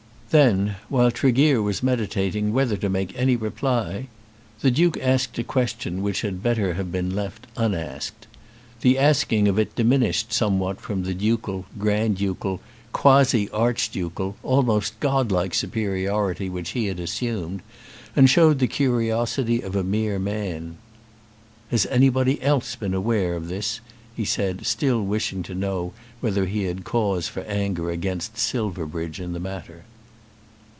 Then, while Tregear was meditating whether to make any reply, the Duke asked a question which had better have been left unasked. The asking of it diminished somewhat from that ducal, grand ducal, quasi archducal, almost godlike superiority which he had assumed, and showed the curiosity of a mere man. "Has anybody else been aware of this?" he said, still wishing to know whether he had cause for anger against Silverbridge in the matter.